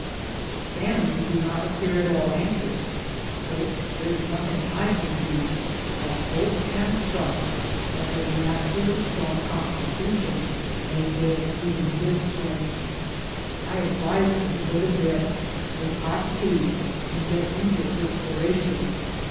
The family do not appear at all anxious, so there is nothing I can do but hope and trust that her naturally strong constitution may bear even this strain. I advised her to go to bed, drink hot tea, and get into a per spiration.